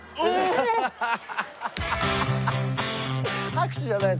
拍手じゃない。